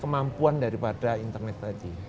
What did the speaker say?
kemampuan daripada internet tadi